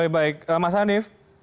baik mas hanif